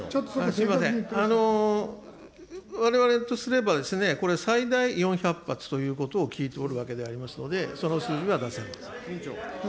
すみません、われわれとすれば、これ、最大４００発ということを聞いておるわけでありますので、その数字は出せません。